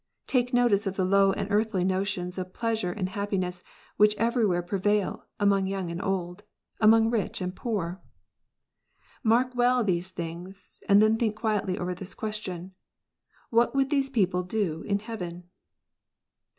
Take notice of the low and earthly notions of pleasure and happiness which everywhere prevail, among young and old, among rich and poor. Mark well these things, and then think quietly over this question :" What would these people do in heaven